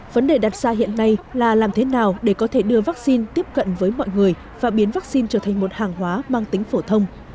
vấn đề đặt ra hiện nay là làm thế nào để có thể đưa vaccine tiếp cận với mọi người và biến vaccine trở thành một hàng hóa mang tính phổ thông